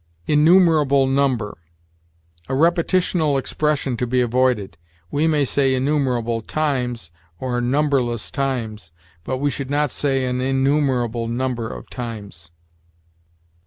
INNUMERABLE NUMBER. A repetitional expression to be avoided. We may say innumerable times, or numberless times, but we should not say an innumerable number of times.